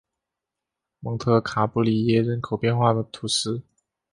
蒙特卡布里耶人口变化图示